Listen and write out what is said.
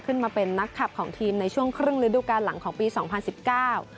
ขึ้นมาเป็นนักขับของทีมในช่วงครึ่งฤดูการหลังของปีสองพันสิบเก้า